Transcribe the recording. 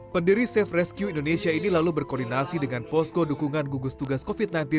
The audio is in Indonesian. pendiri safe rescue indonesia ini lalu berkoordinasi dengan posko dukungan gugus tugas covid sembilan belas